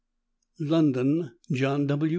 LONDON: JOHN W.